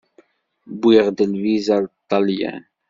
Wwiɣ-d lviza ar Ṭelyan.